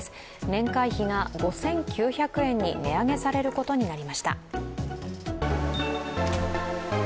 年会費が５９００円に値上げされることになりました。